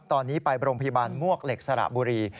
ตอนนี้ไปโรงพยาบาลมวกเหล็กสระบุรี